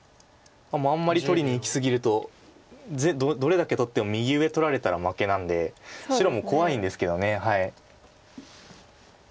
あんまり取りにいき過ぎるとどれだけ取っても右上取られたら負けなんで白も怖いんですけど。